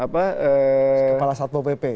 kepala satpo pp